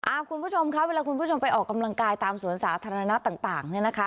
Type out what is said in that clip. คุณผู้ชมครับเวลาคุณผู้ชมไปออกกำลังกายตามสวนสาธารณะต่างเนี่ยนะคะ